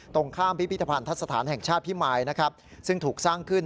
ตรงข้ามพิวิทธภัณฑ์ทัศนแห่งชาติพิมมายซึ่งถูกสร้างขึ้น